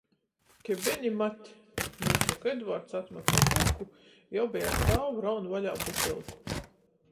"Kebenimat!" nūsoka Edvarts, atmat ar rūku, i obeji ar tāvu raun vaļā butylku.